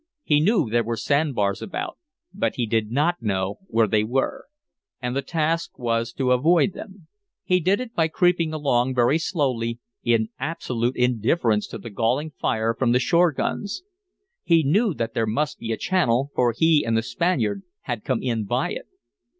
He knew there were sand bars about. But he did not know where they were. And the task was to avoid them. He did it by creeping along very slowly, in absolute indifference to the galling fire from the shore guns. He knew that there must be a channel, for he and the Spaniard had come in by it.